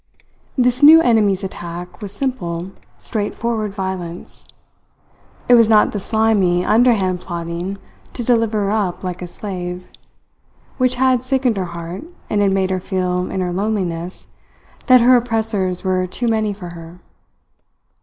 This new enemy's attack was simple, straightforward violence. It was not the slimy, underhand plotting to deliver her up like a slave, which had sickened her heart and had made her feel in her loneliness that her oppressors were too many for her.